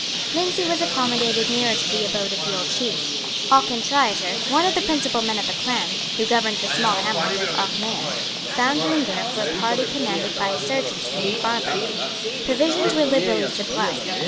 Lindsay was accommodated nearer to the abode of the old chief. Auchintriater, one of the principal men of the clan, who governed the small hamlet of Auchnaion, found room there for a party commanded by a serjeant named Barbour. Provisions were liberally supplied.